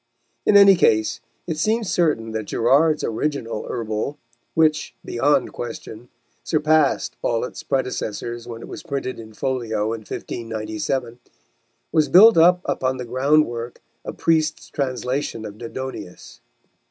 In any case it seems certain that Gerard's original Herbal, which, beyond question, surpassed all its predecessors when it was printed in folio in 1597, was built up upon the ground work of Priest's translation of Dodonaeus.